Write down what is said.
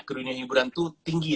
ke dunia hiburan itu tinggi